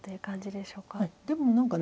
でも何かね